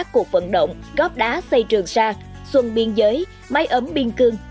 các cuộc vận động góp đá xây trường xa xuân biên giới máy ấm biên cương